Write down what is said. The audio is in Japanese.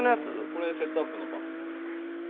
これセットアップのパンツです。